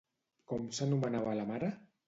Com s'anomenava la mare?